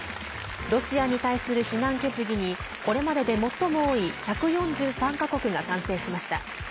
ロシアに対する非難決議にこれまでで最も多い１４３か国が賛成しました。